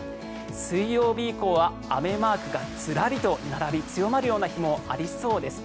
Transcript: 水曜日以降は雨マークがずらりと並び強まるような日もありそうです。